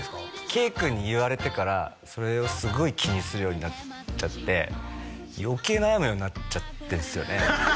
圭君に言われてからそれをすごい気にするようになっちゃって余計悩むようになっちゃってんすよね